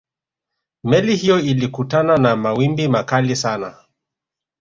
meli hiyo ilikutana na mawimbi makali sana